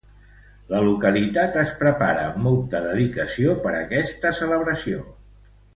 La localitat es prepara amb molta dedicació per esta celebració.